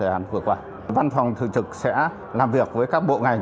trong thời gian vừa qua văn phòng thực trực sẽ làm việc với các bộ ngành